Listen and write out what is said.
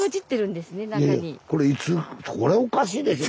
それおかしいでしょ。